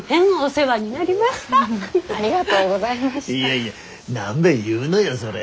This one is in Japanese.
いやいや何べん言うのよそれ。